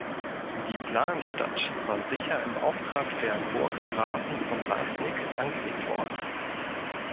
Die Planstadt war sicher im Auftrag der Burggrafen von Leisnig angelegt worden.